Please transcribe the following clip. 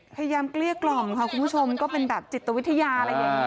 พยายามเกลี้ยกกล่มค่ะคุณผู้ชมก็เป็นจิตวิทยา